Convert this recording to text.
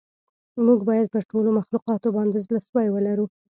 موږ باید پر ټولو مخلوقاتو باندې زړه سوی ولرو.